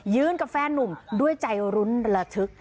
กับแฟนนุ่มด้วยใจรุ้นระทึก